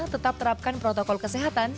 tetap terapkan protokol kesehatan